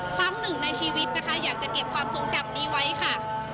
ครั้งหนึ่งในชีวิตนะคะอยากจะเก็บความทรงจำนี้ไว้ค่ะ